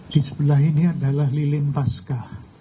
di sebelah ini adalah lilin pasca